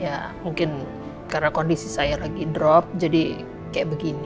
ya mungkin karena kondisi saya lagi drop jadi kayak begini